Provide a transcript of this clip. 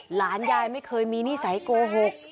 หลานยายไม่เคยมีนิสัยโกหก